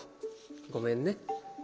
ごめんね。